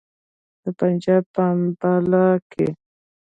د پنجاب په امباله کې.